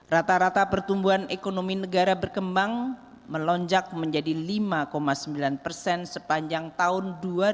rata rata pertumbuhan ekonomi negara berkembang melonjak menjadi lima sembilan persen season